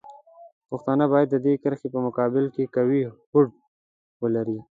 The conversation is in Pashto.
پښتانه باید د دې کرښې په مقابل کې قوي هوډ ولري.